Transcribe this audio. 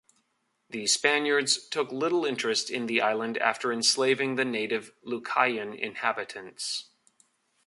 The Spaniards took little interest in the island after enslaving the native Lucayan inhabitants.